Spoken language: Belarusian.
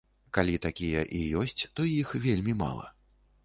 Калі такія і ёсць, то іх вельмі мала.